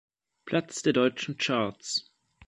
Platz der Deutschen Charts.